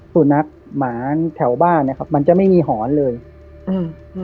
สุนัขหมาแถวบ้านเนี้ยครับมันจะไม่มีหอนเลยอืม